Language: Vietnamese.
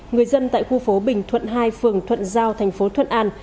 người dân tại khu phố bình thuận hai phường thuận giao thành phố thuận an